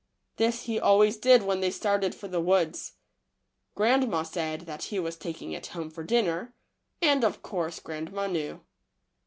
This he always did when they started for the woods. Grandma said that he was taking it home for dinner, and of course grandma knew.